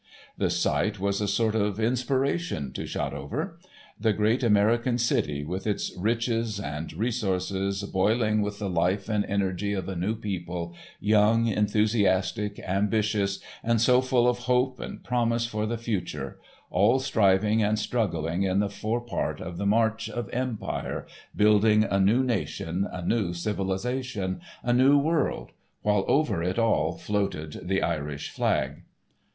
The sight was a sort of inspiration to Shotover. The great American city, with its riches and resources, boiling with the life and energy of a new people, young, enthusiastic, ambitious, and so full of hope and promise for the future, all striving and struggling in the fore part of the march of empire, building a new nation, a new civilisation, a new world, while over it all floated the Irish flag.